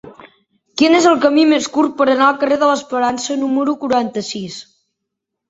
Quin és el camí més curt per anar al carrer de l'Esperança número quaranta-sis?